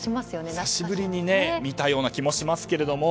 久しぶりに見たような気もしますけれども。